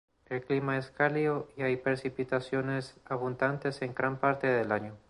El clima es cálido y hay precipitaciones abundantes en gran parte del año.